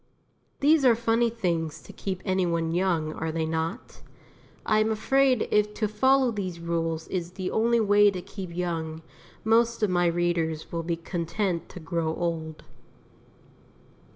These are funny things to keep any one young, are they not? I am afraid if to follow these rules is the only way to keep young, most of my readers will be content to grow old.